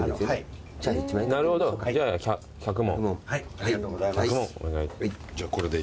ありがとうございます。